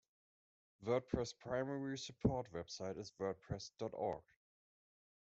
WordPress' primary support website is WordPress dot org.